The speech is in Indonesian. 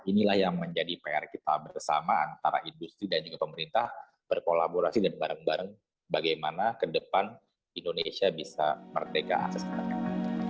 inilah yang menjadi pr kita bersama antara industri dan juga pemerintah berkolaborasi dan bareng bareng bagaimana ke depan indonesia bisa merdeka akses ke negara